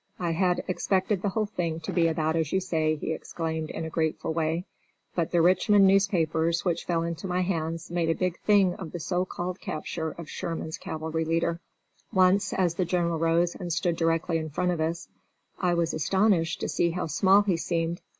"I had expected the whole thing to be about as you say," he exclaimed, in a grateful way, "but the Richmond newspapers which fell into my hands made a big thing of the so called capture of Sherman's cavalry leader." Once, as the General rose and stood directly in front of us, I was astonished to see how small he seemed.